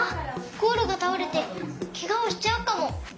ゴールがたおれてケガをしちゃうかも。